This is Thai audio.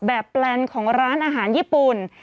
แปลนของร้านอาหารญี่ปุ่น